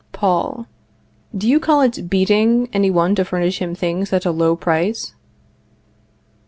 Paul. Do you call it beating any one to furnish him things at a low price?